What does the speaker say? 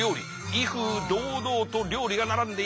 威風堂々と料理が並んでいます。